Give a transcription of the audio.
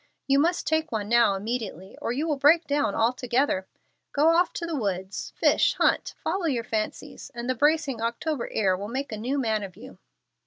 You must take one now immediately, or you will break down altogether. Go off to the woods; fish, hunt, follow your fancies; and the bracing October air will make a new man of you."